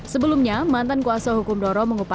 sebelumnya mantan kuasa hukum roro mengupas roro